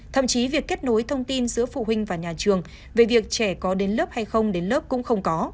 thậm chí việc kết nối thông tin giữa phụ huynh và nhà trường về việc trẻ có đến lớp hay không đến lớp cũng không có